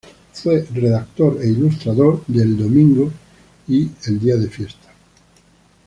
Fue redactor e ilustrador de "El Domingo" y "El Día de Fiesta.